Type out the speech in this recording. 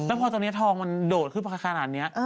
แล้วพอตอนนี้ทองมันโดดขึ้นมาขนาดนี้